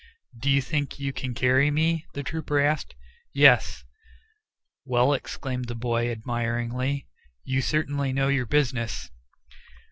"Do you think you can carry me?" the trooper asked. "Yes." "Well," exclaimed the boy admiringly, "you certainly know your business!"